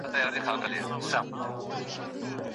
د دوکتورا برنامه په ناسمه توګه نه رهبري کیږي.